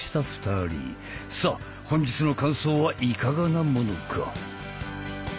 さあ本日の感想はいかがなものか？